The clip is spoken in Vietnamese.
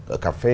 ở cà phê